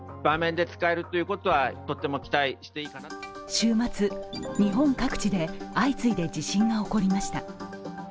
週末、日本各地で相次いで地震が起こりました。